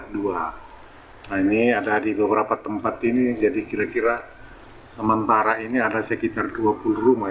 nah ini ada di beberapa tempat ini jadi kira kira sementara ini ada sekitar dua puluh rumah